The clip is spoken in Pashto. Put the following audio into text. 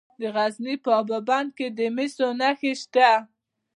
د غزني په اب بند کې د مسو نښې شته.